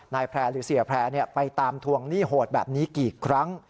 แพร่หรือเสียแพร่ไปตามทวงหนี้โหดแบบนี้กี่ครั้ง